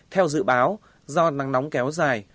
theo dự báo do nắng nóng kéo dài